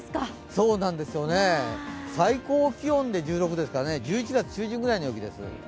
そうなんですよね最高気温で１６度ですから１１月中旬ぐらいの陽気です。